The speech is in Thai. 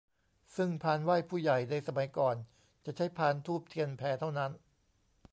ซึ่งพานไหว้ผู้ใหญ่ในสมัยก่อนจะใช้พานธูปเทียนแพเท่านั้น